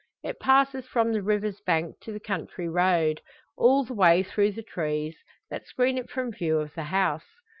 It passes from the river's bank to the county road, all the way through trees, that screen it from view of the house.